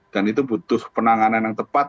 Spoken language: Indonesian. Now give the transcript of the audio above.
dan itu butuh penanganan yang tepat